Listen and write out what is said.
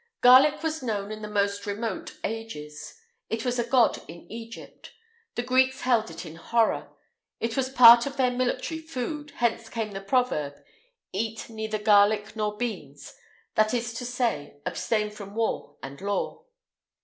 Garlic was known in the most remote ages. It was a god in Egypt.[IX 184] The Greeks held it in horror. It was part of their military food hence came the proverb, "Eat neither garlic nor beans;" that is to say, abstain from war and law.